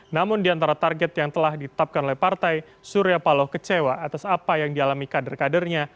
namun di antara target yang telah ditetapkan oleh partai surya paloh kecewa atas apa yang dialami kader kadernya